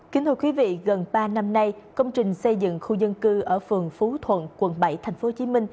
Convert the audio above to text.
kính thưa quý vị gần ba năm nay công trình xây dựng khu dân cư ở phường phú thuận quận bảy tp hcm